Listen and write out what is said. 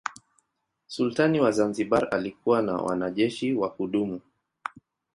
Sultani wa Zanzibar alikuwa na wanajeshi wa kudumu.